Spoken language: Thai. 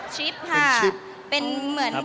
ชิมค่ะ